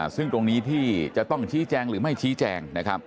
ซึ่งตรงนี้ที่จะต้องชี้แจงหรือไม่ชี้แจง